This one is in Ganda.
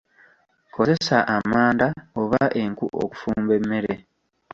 Kozesa amanda oba enku okufumba emmere.